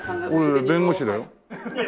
俺弁護士だよ。